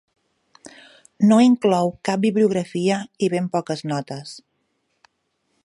No inclou cap bibliografia, i ben poques notes.